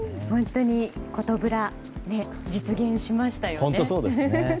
本当に、ことぶらが実現しましたよね。